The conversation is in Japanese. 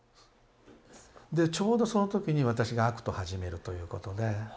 でちょうどその時に私がＡＣＴ始めるということで。